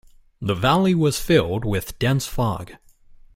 The valley was filled with dense fog.